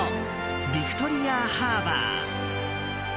ビクトリア・ハーバー。